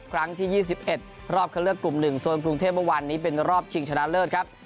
ครั้งที่๒๑รอบเข้าเลือกกลุ่ม๑โซนกรุงเทพเมื่อวานนี้เป็นรอบชิงชนะเลิศครับ